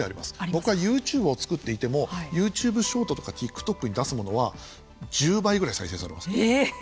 僕はユーチューブを作っていてもユーチューブショートとかＴｉｋＴｏｋに出すものは１０倍ぐらい再生されます。